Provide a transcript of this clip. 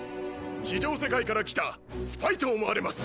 地上世界から来たスパイと思われます。